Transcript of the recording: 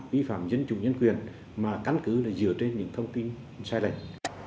vi phạm dân chủ nhân quyền mà căn cứ là dựa trên những thông tin sai lệch